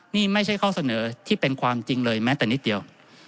นี่ไม่ใช่ข้อเสนอที่เป็นความจริงเลยแม้แต่นิดเดียว